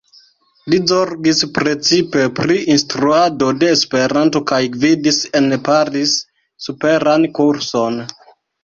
Li zorgis precipe pri instruado de Esperanto kaj gvidis en Paris superan kurson.